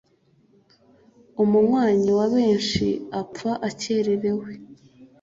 Umunywanyi wa benshi apfa akererewe.